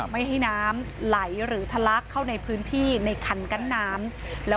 ไม่ให้น้ำไหลหรือทะลักเข้าในพื้นที่ในคันกั้นน้ำ